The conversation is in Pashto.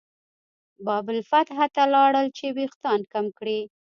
باب الفتح ته لاړل چې وېښتان کم کړي.